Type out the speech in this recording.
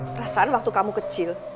perasaan waktu kamu kecil